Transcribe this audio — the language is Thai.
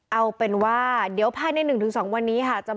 เอาเป็นว่าเดี๋ยวภายใน๑๒วันนี้ค่ะ